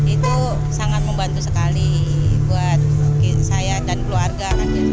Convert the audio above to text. itu sangat membantu sekali buat saya dan keluarga